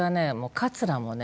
かつらもね